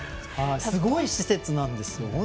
すごい施設なんですよ。